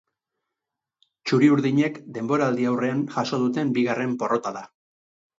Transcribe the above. Txuri-urdinek denboraldiaurrean jaso duten bigarren porrota da.